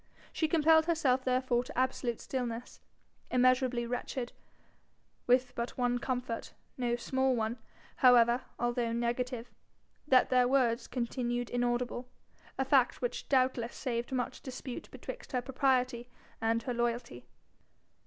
She compelled herself therefore to absolute stillness, immeasurably wretched, with but one comfort no small one, however, although negative that their words continued inaudible, a fact which doubtless saved much dispute betwixt her propriety and her loyalty.